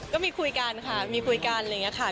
ก็มีคุยกันค่ะมีคุยกันอะไรอย่างนี้ค่ะ